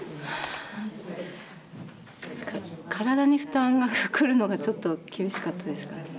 体に負担がくるのがちょっと厳しかったですからね。